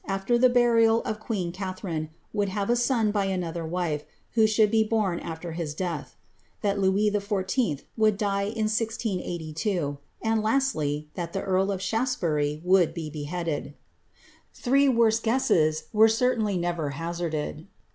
after the burial of queen Catharine, wonld have a soa by another wife, who should be born aAcr his death ;' that Louis XIV. would die in 1682; and lastly, that the earl of Shaftesbury would be befieaded.^' Three worse gues^ses were certainly never hazarded.